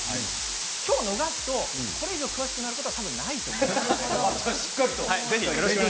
今日逃すとこれ以上、詳しくなることは多分ないと思います。